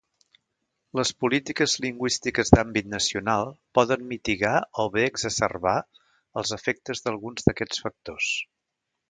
Les polítiques lingüístiques d'àmbit nacional poden mitigar o bé exacerbar els efectes d'alguns d'aquests factors.